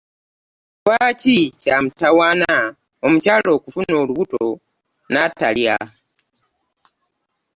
Lwaki kyamutawaana omukyala okufuna olubuto n'atalya.